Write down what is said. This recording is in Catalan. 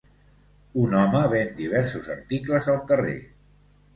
Un home ven diversos articles al carrer.